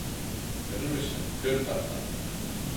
Көнөм өсөн көн тартамын.